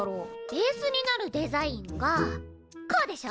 ベースになるデザインがこうでしょ。